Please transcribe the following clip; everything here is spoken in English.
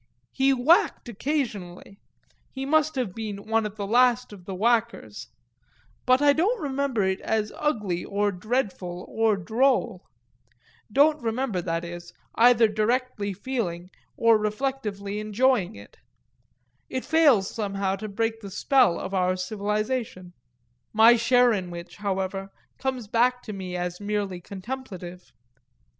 He whacked occasionally he must have been one of the last of the whackers; but I don't remember it as ugly or dreadful or droll don't remember, that is, either directly feeling or reflectively enjoying it: it fails somehow to break the spell of our civilisation; my share in which, however, comes back to me as merely contemplative.